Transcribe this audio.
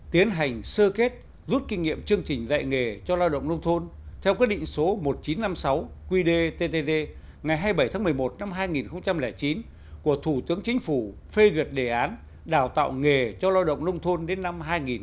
tiến hành sơ kết rút kinh nghiệm chương trình dạy nghề cho lao động nông thôn theo quyết định số một nghìn chín trăm năm mươi sáu qdttd ngày hai mươi bảy tháng một mươi một năm hai nghìn chín của thủ tướng chính phủ phê duyệt đề án đào tạo nghề cho lao động nông thôn đến năm hai nghìn hai mươi